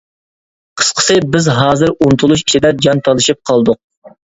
قىسقىسى بىز ھازىر ئۇنتۇلۇش ئىچىدە جان تالىشىپ قالدۇق.